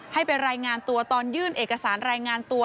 ให้ไปรายงานตัวตอนยื่นเอกสารรายงานตัว